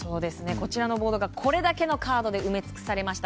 こちらのボードがこれだけのカードで埋め尽くされました。